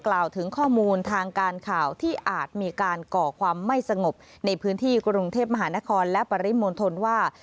กล่าวถึงข้อมูลทางการข่าวที่อาจมีการก่อความไม่สงบในพื้นที่กรุงเทพมหานครและปริมณฑลว่า